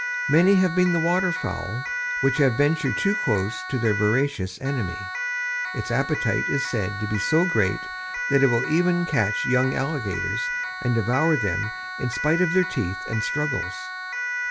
Many have been the water fowl which have ventured too close to their voracious enemy. Its appetite is said to be so great that it will even catch young alligators, and devour them in spite of their teeth and struggles.